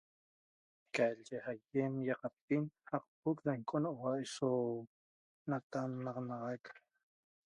qalyi ayem qapiolec saqpoc da ñeqonahua so natanaxanac